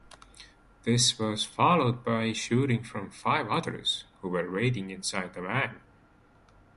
This was followed by shooting from five others who were waiting inside a van.